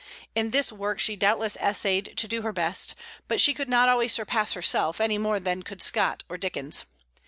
In this work she doubtless essayed to do her best; but she could not always surpass herself, any more than could Scott or Dickens.